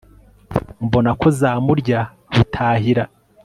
mbona ko zamurya butahira